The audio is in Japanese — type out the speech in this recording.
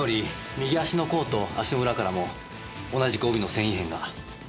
右足の甲と足の裏からも同じく帯の繊維片が。